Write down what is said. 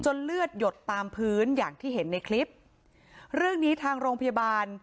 เลือดหยดตามพื้นอย่างที่เห็นในคลิปเรื่องนี้ทางโรงพยาบาล